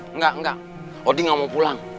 enggak enggak odin gak mau pulang